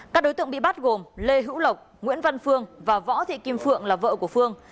các đối tượng bị bắt gồm lê hữu lộc nguyễn văn phương và võ thị kim phượng là vợ của phương